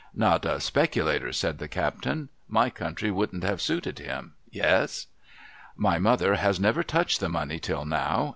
' Not a si)er'lator,' said the captain. ' My country wouldn't have suited him. Yes ?'' My mother has never touched the money till now.